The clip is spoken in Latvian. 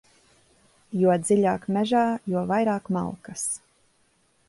Jo dziļāk mežā, jo vairāk malkas.